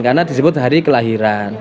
karena disebut hari kelahiran